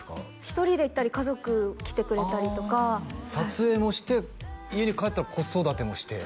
一人で行ったり家族来てくれたりとか撮影もして家に帰ったら子育てもして？